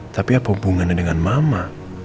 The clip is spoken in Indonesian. tapi apa hubungannya dengan mama